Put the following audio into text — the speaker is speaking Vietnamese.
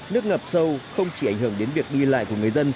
nước ngập sâu không chỉ ảnh hưởng đến việc đi lại của người dân